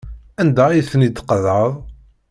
Anda ay ten-id-tqeḍɛeḍ?